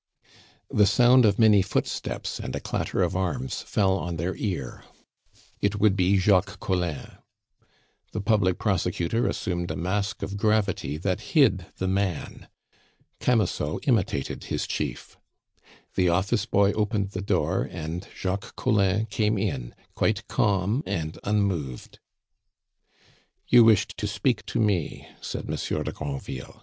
The sound of many footsteps and a clatter of arms fell on their ear. It would be Jacques Collin. The public prosecutor assumed a mask of gravity that hid the man. Camusot imitated his chief. The office boy opened the door, and Jacques Collin came in, quite calm and unmoved. "You wished to speak to me," said Monsieur de Granville.